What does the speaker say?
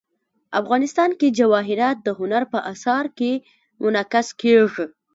افغانستان کې جواهرات د هنر په اثار کې منعکس کېږي.